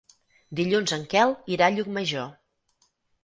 Dilluns en Quel irà a Llucmajor.